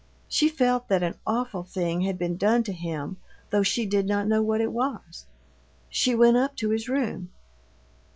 She felt that an awful thing had been done to him, though she did not know what it was. She went up to his room.